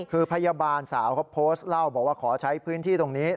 คือพยาบาลสาวเขาโพสต์เล่าบอกว่าขอใช้พื้นที่ตรงนี้